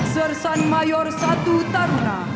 sersan mayor i taruna